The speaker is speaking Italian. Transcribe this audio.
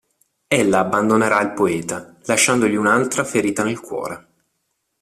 Ella abbandonerà il poeta, lasciandogli un'altra ferita nel cuore.